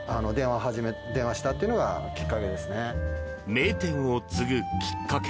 名店を継ぐ、きっかけ。